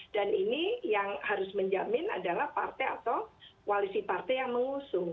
dan ini yang harus menjamin adalah partai atau koalisi partai yang mengusung